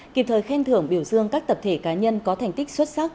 kịp thời khen thưởng biểu dương các tập thể cá nhân có thành tích xuất sắc